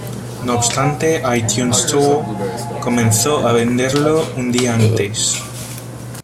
No obstante, iTunes Store comenzó a venderlo un día antes.